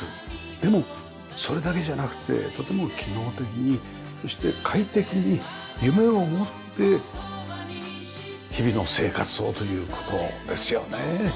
でもそれだけじゃなくてとても機能的にそして快適に夢を持って日々の生活をという事ですよね。